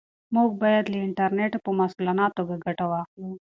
موږ باید له انټرنیټه په مسؤلانه توګه ګټه واخلو.